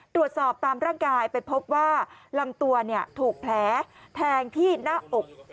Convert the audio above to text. ดรวจสอบตามร่างกายไปพบว่ารังตัวถูกแพ้แทงที่หน้าอก